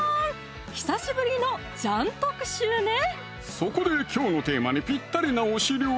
そこできょうのテーマにぴったりな推し料理